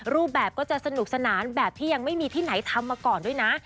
รูปแบบก็จะสนุกสนานแบบที่ยังไม่มีที่ไหนทำมาก่อนด้วยนะ